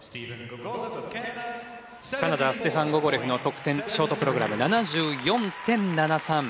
カナダステファン・ゴゴレフの得点ショートプログラム７４．７３。